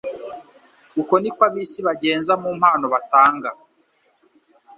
uko niko ab'isi bagenza mu mpano batanga.